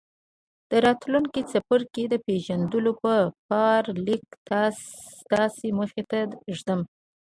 د راتلونکي څپرکي د پېژندلو په پار ليک ستاسې مخې ته ږدم.